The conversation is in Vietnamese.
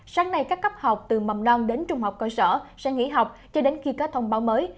sáng nay các cấp học từ mầm non đến trung học cơ sở sẽ nghỉ học cho đến khi có thông báo mới